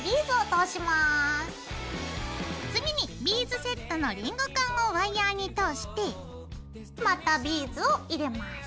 次にビーズセットのリングカンをワイヤーに通してまたビーズを入れます。